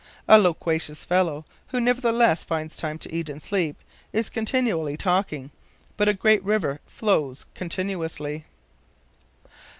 A loquacious fellow, who nevertheless finds time to eat and sleep, is continually talking; but a great river flows continuously.